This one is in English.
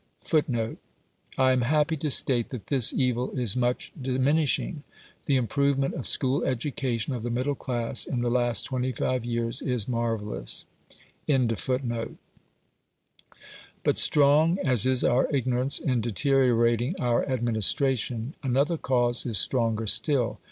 I am happy to state that this evil is much diminishing. The improvement of school education of the middle class in the last twenty five years is marvellous. But strong as is our ignorance in deteriorating our administration, another cause is stronger still.